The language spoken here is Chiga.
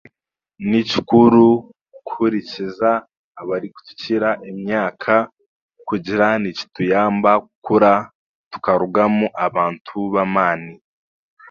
Ni kikuru kuhurikiriza abarikutukira emyaka kugira nikituyamba kukura tukarugamu abantu b'amaani